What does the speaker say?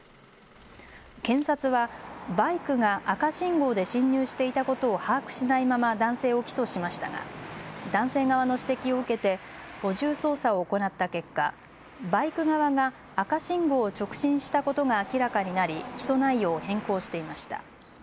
検察はバイクが赤信号で進入していたことを把握しないまま男性を起訴しましたが男性側の指摘を受けて補充捜査を行った結果、バイク側が赤信号を直進したことが明らかになり起訴内容を変更していました。